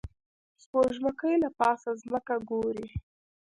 سپوږمکۍ له پاسه ځمکه ګوري